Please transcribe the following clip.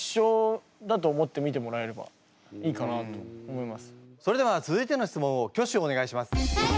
例えばそれでは続いての質問を挙手お願いします。